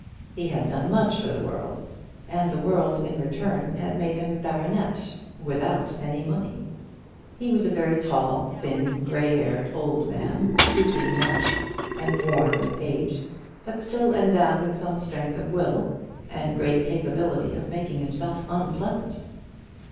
He had done much for the world, and the world in return had made him a baronet without any money! He was a very tall, thin, gray haired, old man, stooping much, and worn with age, but still endowed with some strength of will, and great capability of making himself unpleasant.